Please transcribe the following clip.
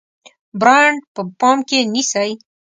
برانډ په پام کې نیسئ؟